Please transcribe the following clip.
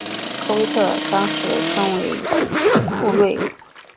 科威特当时称为库锐。